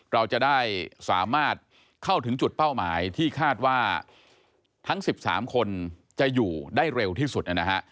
เราจะได้สามารถเข้าถึงจุดเป้าหมายที่คาดว่าทั้ง๑๓คนจะอยู่ได้เร็วที่สุดนะฮะ